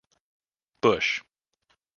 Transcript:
Bush.